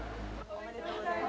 おめでとうございます。